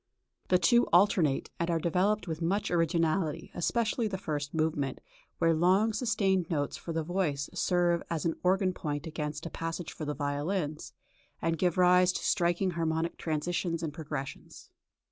The two alternate, and are developed with much originality, especially the first movement, where long sustained notes for the voices serve as an organ point against a passage for the violins, and give rise to striking harmonic transitions and progressions.